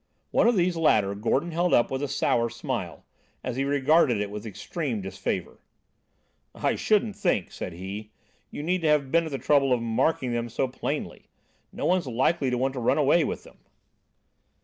One of these latter Gordon held up with a sour smile, as he regarded it with extreme disfavour. "I shouldn't think," said he, "you need have been at the trouble of marking them so plainly. No one's likely to want to run away with them."